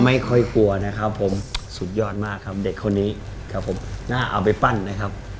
ไม่ค่อยกลัวนะครับผมสุดยอดมากครับเด็กคนนี้ครับผมน่าเอาไปปั้นนะครับ